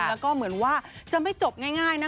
แล้วก็เหมือนว่าจะไม่จบง่ายนะ